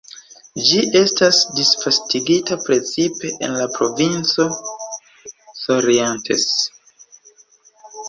Ĝi esta disvastigita precipe en la provinco Corrientes.